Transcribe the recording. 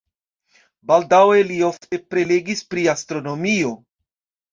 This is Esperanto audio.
Baldaŭe li ofte prelegis pri astronomio.